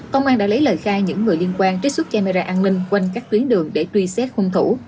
công an đã lấy lời khai những người liên quan trích xuất camera an ninh quanh các tuyến đường để truy xét hung thủ